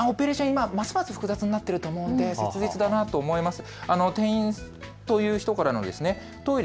今、ますます複雑になってると思うので切実だなと思います。